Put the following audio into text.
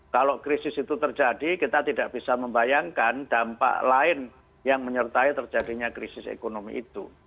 kalau krisis itu terjadi kita tidak bisa membayangkan dampak lain yang menyertai terjadinya krisis ekonomi itu